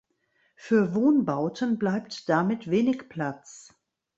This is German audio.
Für Wohnbauten bleibt damit wenig Platz.